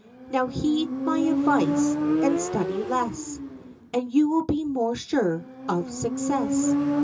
Now heed my advice, and study less, And you will be more sure of success.